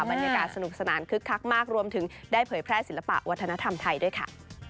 บรรยากาศสนุกสนานคึกคักมากรวมถึงได้เผยแพร่ศิลปะวัฒนธรรมไทยด้วยค่ะ